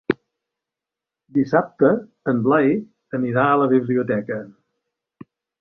Dissabte en Blai anirà a la biblioteca.